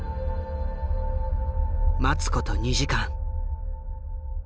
待つこと２時間。